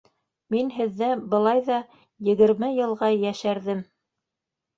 Мин һеҙҙә былай ҙа егерме йылға йәшәрҙем.